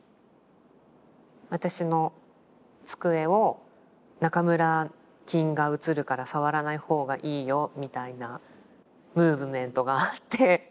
私の机を中村菌がうつるから触らないほうがいいよみたいなムーブメントがあって。